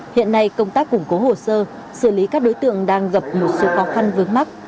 hiện nay công tác củng cố hồ sơ xử lý các đối tượng đang gặp một số khó khăn vướng mắt